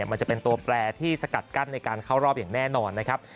มันจะเป็นตัวแปรที่สกัดกั้นในการเข้ารอบอย่างแน่นอนนะครับ